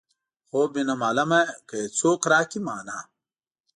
خوب وينم عالمه که یې څوک راکړل مانا.